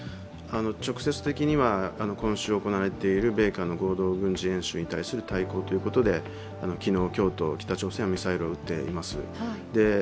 直接的には、今週行われている米韓の合同軍事演習に対する対抗ということで、昨日、今日と北朝鮮はミサイルを撃っています。